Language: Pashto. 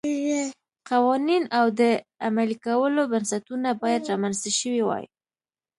قوانین او د عملي کولو بنسټونه باید رامنځته شوي وای